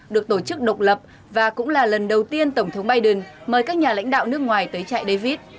được tổ chức độc lập và cũng là lần đầu tiên tổng thống biden mời các nhà lãnh đạo nước ngoài tới chạy david